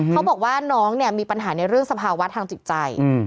เขาบอกว่าน้องเนี่ยมีปัญหาในเรื่องสภาวะทางจิตใจ